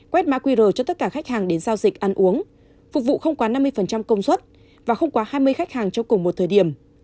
quét mã qr cho tất cả khách hàng đến giao dịch ăn uống phục vụ không quá năm mươi công suất và không quá hai mươi khách hàng trong cùng một thời điểm